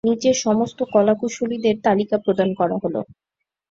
নিচে সমস্ত কলাকুশলীদের তালিকা প্রদান করা হলো।